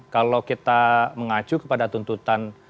kalau kita mengacu kepada tuntutan